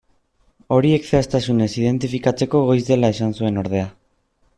Horiek zehaztasunez identifikatzeko goiz dela esan zuen ordea.